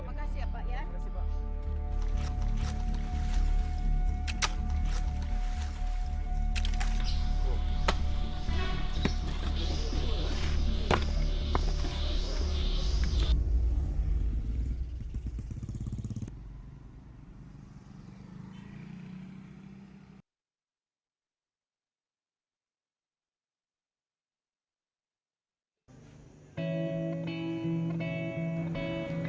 makasih ya pak ya